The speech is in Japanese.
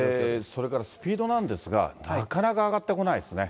それからスピードなんですが、なかなか上がってこないですね。